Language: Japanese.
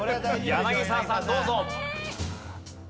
柳澤さんどうぞ。